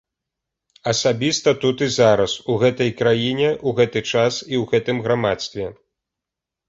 Асабіста тут і зараз, у гэтай краіне, у гэты час і ў гэтым грамадстве.